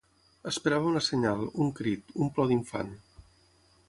Esperava una senyal, un crit, un plor d'infant